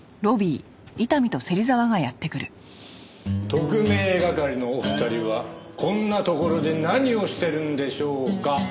特命係のお二人はこんなところで何をしてるんでしょうか？